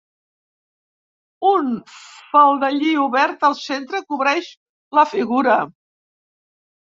Un faldellí obert al centre cobreix la figura.